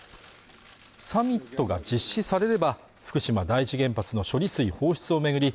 サミットが実施されれば福島第一原発の処理水放出を巡り